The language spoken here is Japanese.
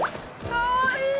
かわいい！